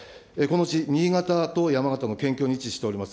このうち新潟と山形の県境に位置しております